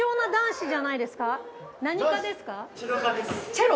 チェロ？